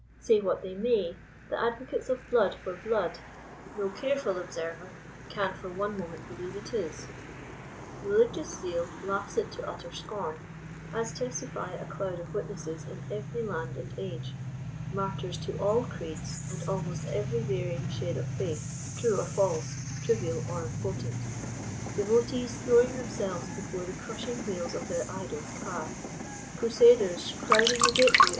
Say what they may — the advocates of blood for blood — no careful observer can for one moment believe it is. Religious zeal laughs it to utter scorn, as testify a cloud of wit nesses in every land and age ; martyrs to all creeds and almost every varying shade of faith, true or false, trivial or important ; deTOtees throwing themselves before the crushing wheels of 38 their idol's car ; crasaders crowding the gateway.